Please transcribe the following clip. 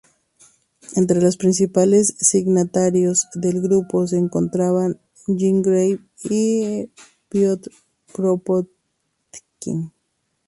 Entre los principales signatarios del grupo se encontraban Jean Grave y Piotr Kropotkin.